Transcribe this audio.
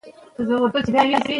ایا سواد د انسان په شخصیت اغېز لري؟